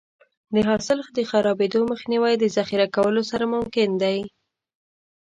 د حاصل د خرابېدو مخنیوی د ذخیره کولو سره ممکن دی.